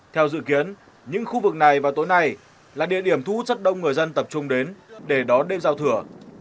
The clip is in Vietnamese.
theo dự kiến những khu vực này vào tối nay là địa điểm thu hút rất đông người dân tập trung đến để đón đêm giao thừa